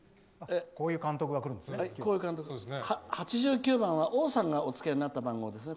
８９番は王さんがお付けになった番号ですね。